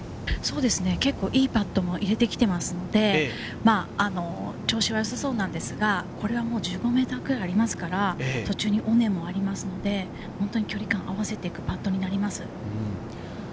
結構いいパットも入れてきてますので、調子は良さそうなんですが、これは１５ｍくらいありますから、途中に尾根もありますので、本当に距離感を合わせていくパットになると思います。